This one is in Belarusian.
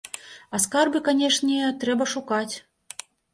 А скарбы, канечне, трэба шукаць.